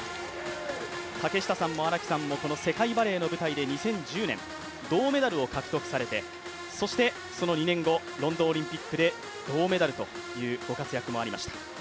竹下さんも荒木さんも世界バレーの舞台で２０１０年、銅メダルを獲得されて、そしてその２年後、ロンドンオリンピックで銅メダルというご活躍もありました。